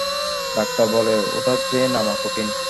Doctor বলে, উঠার চেয়ে নামা কঠিন।